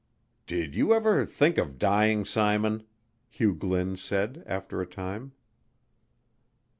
"Did you ever think of dying, Simon?" Hugh Glynn said after a time.